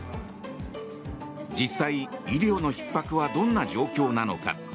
実際、医療のひっ迫はどんな状況なのか。